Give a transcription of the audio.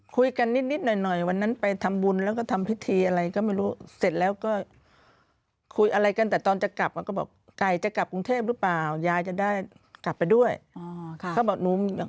คุยกันนิดหน่อยวันนั้นไปทำบุญแล้วก็ทำพิธีอะไรก็ไม่รู้